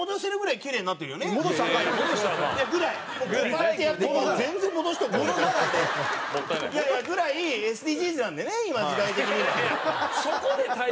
いやいやぐらいＳＤＧｓなんでね今時代的には。